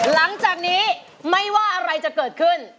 หลังจากนี้ไม่ว่าอะไรจะเกิดขึ้น